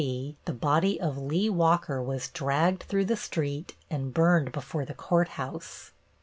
the body of Lee Walker was dragged through the street and burned before the court house.